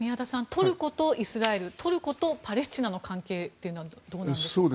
トルコとイスラエルトルコとパレスチナの関係はどうなんでしょうか。